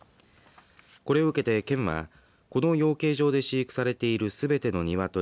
これを受けて県はこの養鶏場で飼育されているすべての鶏